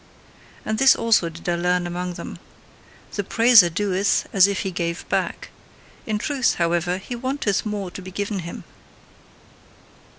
And this also did I learn among them: the praiser doeth as if he gave back; in truth, however, he wanteth more to be given him!